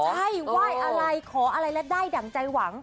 ว่ายอะไรขออะไรและได้ด่างใจหวัง